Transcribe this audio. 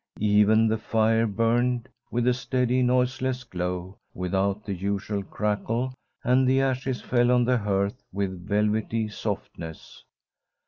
Even the fire burned with a steady, noiseless glow, without the usual crackle, and the ashes fell on the hearth with velvety softness.